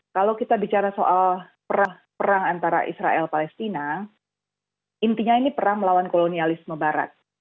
kalau kita bicara soal perang antara israel palestina intinya ini perang melawan kolonialisme barat